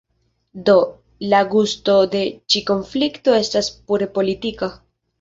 Do, la gusto de ĉi konflikto estas pure politika.